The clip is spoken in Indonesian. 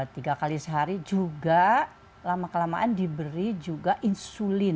tiga kali sehari juga lama kelamaan diberi juga insulin